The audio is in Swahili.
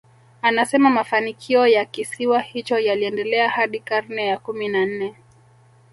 Anasema mafanikio ya kisiwa hicho yaliendelea hadi karne ya kumi na nne